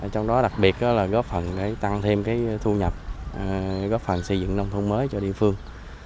trong đó đặc biệt là góp phần tăng thêm thu nhập góp phần xây dựng nông thôn mới cho địa phương